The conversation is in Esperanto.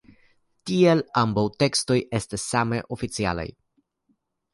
Tiel ambaŭ tekstoj estas same oficialaj.